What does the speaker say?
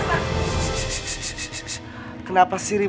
masuk aja pesawat sampe configuration